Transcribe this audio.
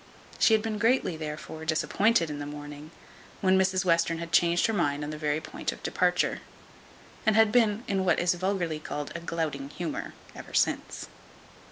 She had been greatly, therefore, disappointed in the morning, when Mrs Western had changed her mind on the very point of departure; and had been in what is vulgarly called a glouting humour ever since.